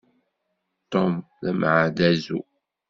Tom d ameɛdazu.